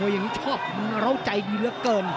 อย่างนี้ชอบเราใจดีเหลือเกิน